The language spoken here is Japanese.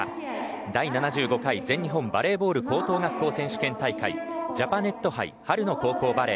第７５回全日本バレーボール高等学校選手権大会ジャパネット杯春の高校バレー